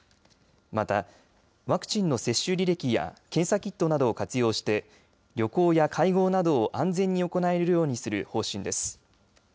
また、ワクチンの接種履歴や検査キットなどを活用して旅行や会合などを安全に行えるようにする方針です。